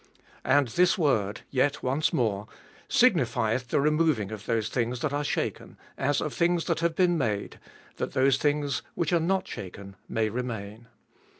27. And this word, Yet once more, signifleth the removing of those things that are shaken, as of things that have been made, that those things which are not shaken may remain.